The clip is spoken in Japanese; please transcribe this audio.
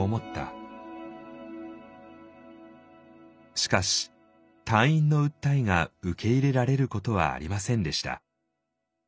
しかし退院の訴えが受け入れられることはありませんでした。